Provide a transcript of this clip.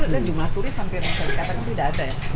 dan jumlah turis sampai diselenggara kan tidak ada ya